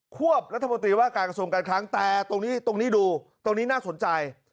วบรัฐมนตรีว่าการกระทรวงการค้างแต่ตรงนี้ตรงนี้ดูตรงนี้น่าสนใจ